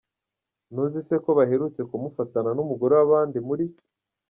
Ntuzi se ko baherutse kumufatana numugore wabandi muri.